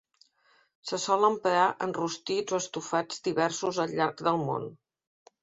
Se sol emprar en rostits o estofats diversos al llarg del món.